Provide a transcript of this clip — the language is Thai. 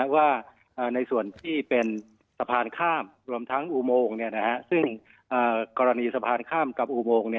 ว่าในส่วนที่เป็นสะพานข้ามรวมทั้งอุโมงซึ่งกรณีสะพานข้ามกับอุโมง